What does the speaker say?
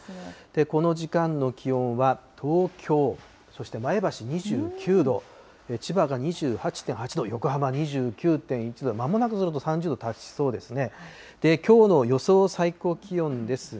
この時間の気温は、東京、そして前橋２９度、千葉が２８．８度、横浜２９．１度、まもなくすると３０度達しそうですね。